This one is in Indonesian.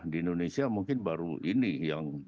di indonesia mungkin baru ini yang